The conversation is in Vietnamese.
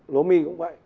lố mi cũng vậy